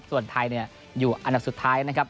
ส่วนไทยอยู่อันดับสุดท้ายนะครับ